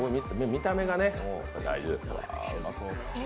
見た目がね、大事ですから。